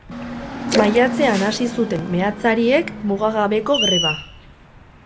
Maiatzean hasi zuten meatzariek mugagabeko greba.